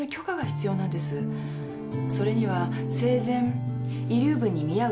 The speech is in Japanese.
それには生前遺留分に見合うだけの物